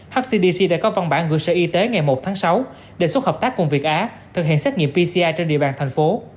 hcdc đã có văn bản gửi sở y tế ngày một tháng sáu đề xuất hợp tác cùng việt á thực hiện xét nghiệm pci trên địa bàn thành phố